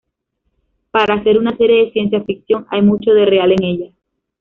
Para ser una serie de ciencia ficción, hay mucho de real en ella"".